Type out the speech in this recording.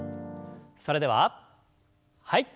それでははい。